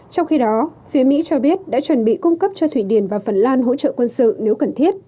trong khi đó phía mỹ cho biết đã chuẩn bị cung cấp cho thụy điển và phần lan hỗ trợ quân sự nếu cần thiết